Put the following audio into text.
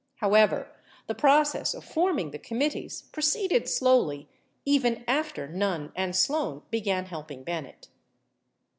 16 However, the process of forming the committees pro ceeded slowly even after Nunn and Sloan began helping Bennett.